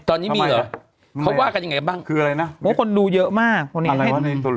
ตอนนี้มีเหรอเขาว่ากันยังไงบ้างคืออะไรนะโอ้คนดูเยอะมาก